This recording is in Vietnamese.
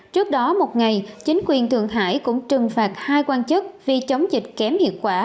trước đó một ngày chính quyền thượng hải cũng trừng phạt hai quan chức vì chống dịch kém hiệu quả